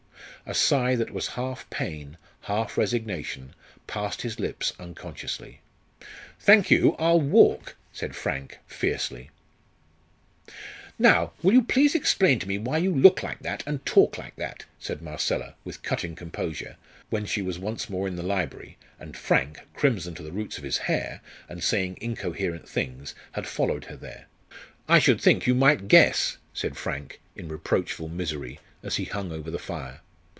A sigh that was half pain, half resignation, passed his lips unconsciously. "Thank you, I'll walk," said Frank, fiercely. "Now, will you please explain to me why you look like that, and talk like that?" said Marcella, with cutting composure, when she was once more in the library, and Frank, crimson to the roots of his hair, and saying incoherent things, had followed her there. "I should think you might guess," said Frank, in reproachful misery, as he hung over the fire.